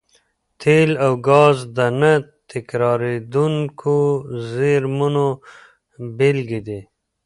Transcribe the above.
تېل او ګاز د نه تکرارېدونکو زېرمونو بېلګې دي.